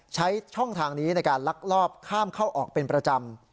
ใช้ช่องทางนี้ในการลักลอบข้ามเข้าออกเป็นประจำ